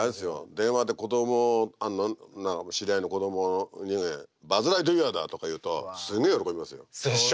電話で子供知り合いの子供に「バズ・ライトイヤーだ」とか言うとすげえ喜びますよ。でしょうね。